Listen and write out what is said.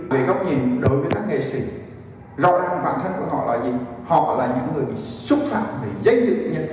vì góc nhìn đối với các nghệ sĩ rõ ràng bản thân của họ là gì họ là những người bị xúc xạc bị giấy dự